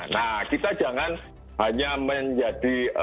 nah kita jangan hanya menjadi